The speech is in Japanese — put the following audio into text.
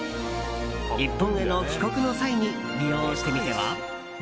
日本への帰国の際に利用してみては。